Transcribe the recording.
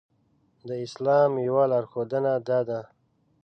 د اسلام يوه لارښوونه دا ده.